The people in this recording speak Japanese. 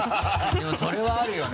でもそれはあるよね。